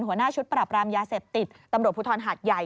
หัวหน้าชุดปรับรามยาเสพติดตำรวจภูทรหาดใหญ่